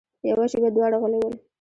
يوه شېبه دواړه غلي ول.